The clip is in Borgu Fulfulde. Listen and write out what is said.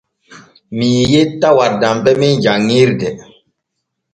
Mii yetta waddamɓe men janŋirde.